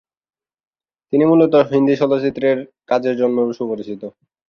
তিনি মূলত হিন্দি চলচ্চিত্রে কাজের জন্য সুপরিচিত।